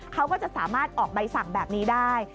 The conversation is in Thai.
เขาก็จะสามารถออกใบสั่งแบบนี้ได้